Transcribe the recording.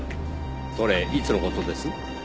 それいつの事です？